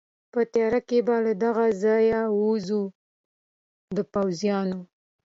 په تېاره کې به له دغه ځایه ووځو، د پوځیانو.